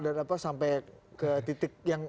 dan sampai ke titik yang